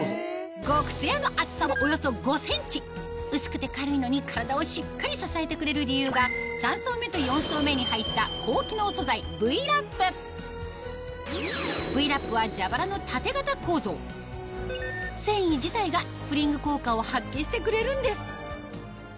極すやの厚さはおよそ５ｃｍ薄くて軽いのに体をしっかり支えてくれる理由が３層目と４層目に入ったＶ−Ｌａｐは蛇腹の繊維自体がスプリング効果を発揮してくれるんです